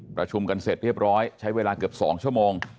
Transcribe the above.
ประชุมกันเสร็จเรียบร้อยใช้เวลาเกือบ๒ชั่วโมง